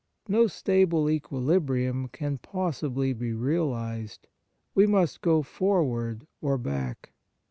No stable equilibrium can possibly be realized ; we must go forward or back.